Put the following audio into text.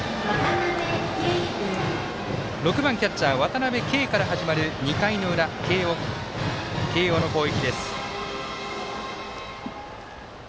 ６番キャッチャー渡辺憩から始まる２回の裏慶応の攻撃。